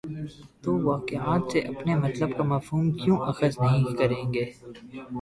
توواقعات سے اپنے مطلب کا مفہوم کیوں اخذ نہیں کریں گے؟